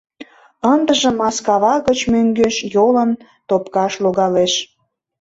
Ындыжым Маскава гыч мӧҥгеш йолын топкаш логалеш.